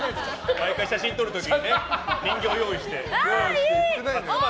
毎回写真撮る時に人形を用意して。